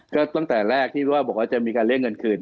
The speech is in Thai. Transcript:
ก็ตั้งแต่แรกที่ว่าบอกว่าจะมีการเรียกเงินคืน